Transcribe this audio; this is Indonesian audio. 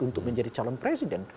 untuk menjadi calon presiden